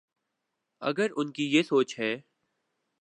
اگر ان کی یہ سوچ ہے۔